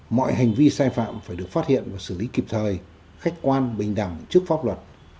mọi hành vi sai phạm phải được phát hiện và xử lý kịp thời khách quan bình đẳng trước pháp luật